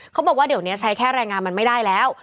เขาบอกว่าเดี๋ยวนี้ใช้แค่แรงงานมันไม่ได้แล้ว